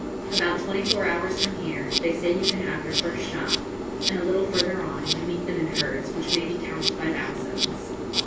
About twenty four hours from here they say you can have your first shot, and a little further on you meet them in herds which may be counted by thousands.